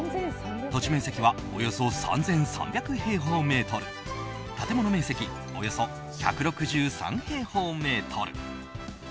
土地面積はおよそ３３００平方メートル建物面積およそ１６３平方メートル。